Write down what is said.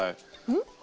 うん？